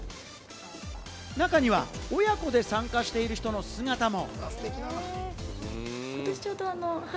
中には親子で参加している人の姿も。